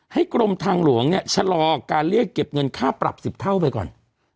กรมทางหลวงเนี่ยชะลอการเรียกเก็บเงินค่าปรับ๑๐เท่าไปก่อน